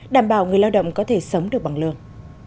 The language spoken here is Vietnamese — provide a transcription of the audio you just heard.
đảm bảo người lao động có thể sống được bằng lương